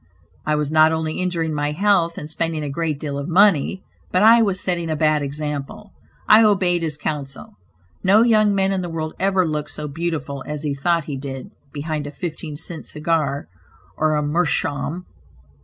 I was not only injuring my health and spending a great deal of money, but I was setting a bad example. I obeyed his counsel. No young man in the world ever looked so beautiful, as he thought he did, behind a fifteen cent cigar or a meerschaum!